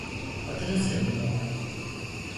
Adını söyle bana.